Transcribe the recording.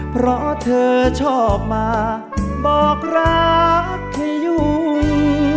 เพราะเธอชอบมาบอกรักให้ยุ่ง